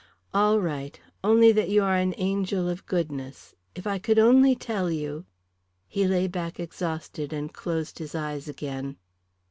"All right. Only that you are an angel of goodness. If I could only tell you " He lay back exhausted and closed his eyes again.